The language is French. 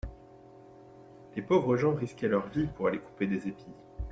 Les pauvres gens risquaient leur vie pour aller couper des épis.